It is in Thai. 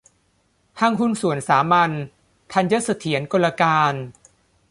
ห้างหุ้นส่วนสามัญ ธัญเสถียรกลการ